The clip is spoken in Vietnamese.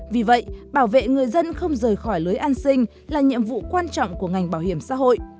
vì vậy bảo vệ người dân không rời khỏi lưới an sinh là nhiệm vụ quan trọng của ngành bảo hiểm xã hội